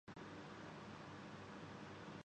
اور کئی ایک اچھے پلئیرز دیے ہیں۔